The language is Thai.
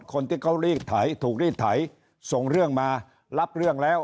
คนที่เขารีดไถถูกรีดไถส่งเรื่องมารับเรื่องแล้ว